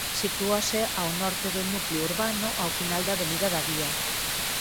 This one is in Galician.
Sitúase ao norte do núcleo urbano ao final da avenida da Vía.